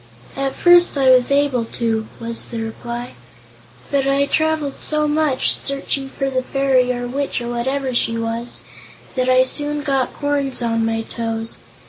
"At first I was able to," was the reply; "but I traveled so much, searching for the fairy, or witch, or whatever she was, that I soon got corns on my toes.